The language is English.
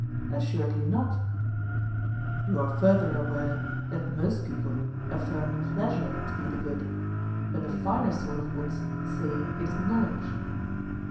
Assuredly not. You are further aware that most people affirm pleasure to be the good, but the finer sort of wits say it is knowledge?